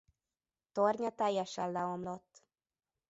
Tornya teljesen leomlott.